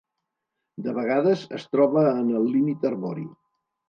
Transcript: De vegades es troba en el límit arbori.